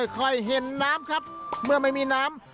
ค่อยเห็นน้ำครับเมื่อไม่มีน้ำ